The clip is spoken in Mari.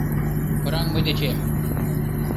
Кораҥ мый дечем!